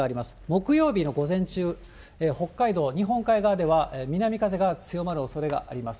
木曜日の午前中、北海道、日本海側では、南風が強まるおそれがあります。